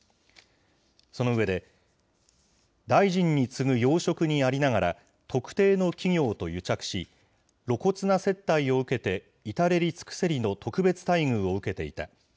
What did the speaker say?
その上で、大臣に次ぐ要職にありながら、特定の企業と癒着し、露骨な接待を受けて至れり尽くせりの特別対応を受けていた。